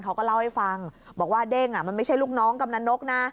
เขาก็เล่าให้ฟังบอกว่าเด้งมันไม่ใช่ลูกน้องกำนันนกนะ